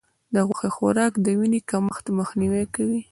د غوښې خوراک د وینې کمښت مخنیوی کوي.